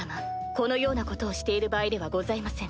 このようなことをしている場合ではございません。